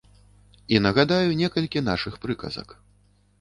І нагадаю некалькі нашых прыказак.